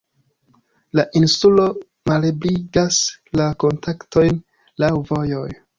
La insulo malebligas la kontaktojn laŭ vojoj.